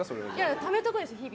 ためておくんです、日々。